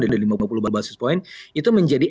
dan dari lima puluh basis point itu menjadi